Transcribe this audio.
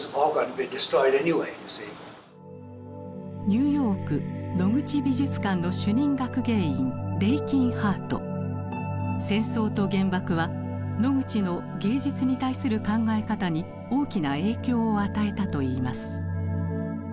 ニューヨークノグチ美術館の主任学芸員戦争と原爆はノグチの芸術に対する考え方に大きな影響を与えたといいます。